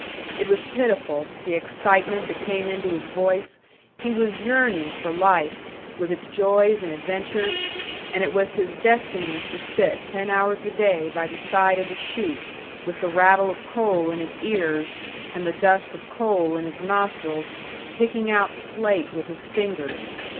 It was pitiful, the excitement that came into his voice; he was yearning for life, with its joys and adventures and it was his destiny to sit ten hours a day by the side of a chute, with the rattle of coal in his ears and the dust of coal in his nostrils, picking out slate with his fingers.